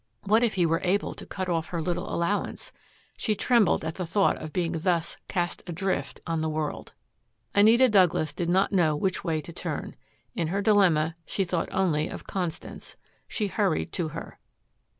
What if he were able to cut off her little allowance? She trembled at the thought of being thus cast adrift on the world. Anita Douglas did not know which way to turn. In her dilemma she thought only of Constance. She hurried to her.